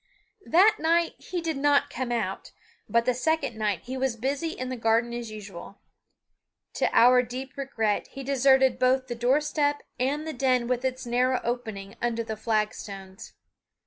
That night he did not come out, but the second night he was busy in the garden as usual. To our deep regret he deserted both the door step and the den with its narrow opening under the flagstones.